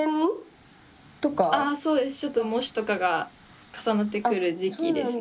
ちょっと模試とかが重なってくる時期ですね。